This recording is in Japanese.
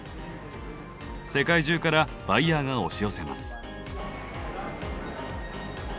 世界中からバイヤーが押し寄せます。